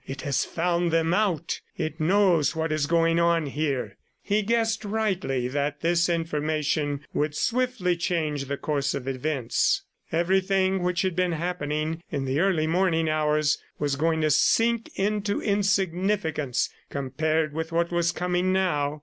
"It has found them out; it knows what is going on here." He guessed rightly that this information would swiftly change the course of events. Everything which had been happening in the early morning hours was going to sink into insignificance compared with what was coming now.